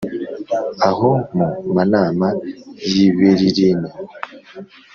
aho mu manama y’i beririni